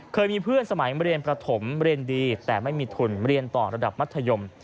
เคยมีเพื่อนสมัยเรียนประถมเรียนดีแต่ไม่มีทุนเรียนต่อระดับมัธยม